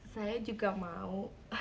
saya juga mau